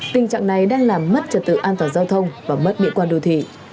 tình trạng này đang làm mất trật tự an toàn giao thông và mất mỹ quan đô thị